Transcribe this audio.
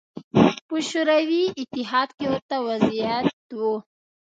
په شوروي اتحاد کې ورته وضعیت و